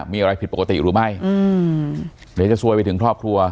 มีอะไรผิดปกติหรือไม่อืมเดี๋ยวจะซวยไปถึงครอบครัว